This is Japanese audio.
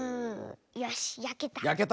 よしやけた。